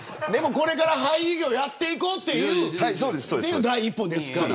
これから俳優業をやっていこうという第一歩ですから。